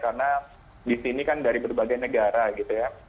karena di sini kan dari berbagai negara gitu ya